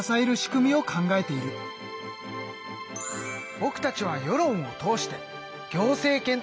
ぼくたちは世論を通して行政権と関わっている。